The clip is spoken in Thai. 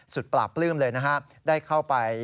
สุดปลาปลื้มเลยนะครับได้เข้าไป